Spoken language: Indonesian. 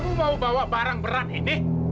aku mau bawa barang berat ini